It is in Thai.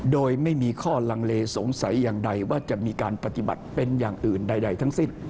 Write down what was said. โดยไม่มีข้อลังเลสงสัยอย่างใดว่าจะมีการปฏิบัติเป็นอย่างอื่นใดทั้งสิ้น